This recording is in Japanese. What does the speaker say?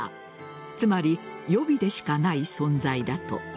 つまり、予備でしかない存在だと。